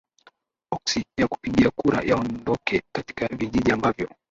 oksi ya kupigia kura yaondoke katika vijiji ambavyo